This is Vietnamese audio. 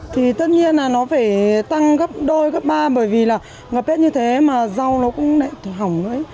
thì tất nhiên là nó phải tăng gấp đôi gấp ba bởi vì là ngập hết như thế mà rau nó cũng hỏng đấy